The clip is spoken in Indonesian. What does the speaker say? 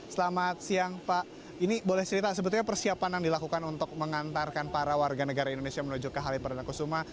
selamat siang pak ini boleh cerita sebetulnya persiapan yang dilakukan untuk mengantarkan para warga negara indonesia menuju ke halim perdana kusuma